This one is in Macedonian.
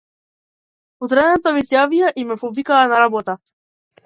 Утредента ми се јавија и ме повикаа на работа.